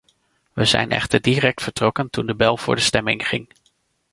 We zijn echter direct vertrokken toen de bel voor de stemming ging.